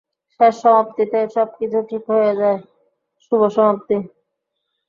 শেষ সমাপ্তি তে, সব কিছু ঠিক হয়ে জায়, শুভ সমাপ্তী।